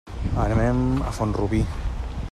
Anem a Font-rubí.